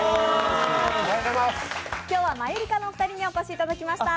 今日は、マユリカのお二人にお越しいただきました。